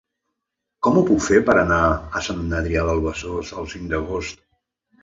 Com ho puc fer per anar a Sant Adrià de Besòs el cinc d'agost?